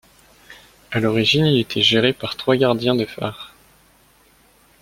À l'origine il était géré par trois gardiens de phare.